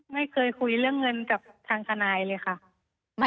ไม่เคยคุยเรื่องเงินกับทางทนายเลยค่ะ